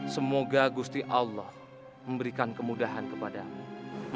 semoga gusti allah memberikan kemudahan kepada mu